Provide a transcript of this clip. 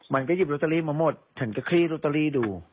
มันก็หยิบลอตเตอรี่มาหมดฉันก็คลี่ลอตเตอรี่ดู